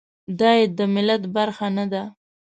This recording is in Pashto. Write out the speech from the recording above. دای د ملت برخه نه ده.